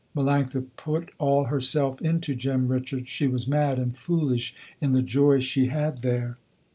Melanctha put all herself into Jem Richards. She was mad and foolish in the joy she had there.